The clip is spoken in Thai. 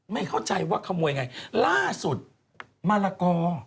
ไม่เข้าใจว่าขโมยไงล่าสุดมะละกอ